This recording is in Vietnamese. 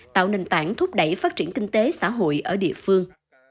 tạo nền tảng thúc đẩy phát triển kinh tế xã hội ở địa phương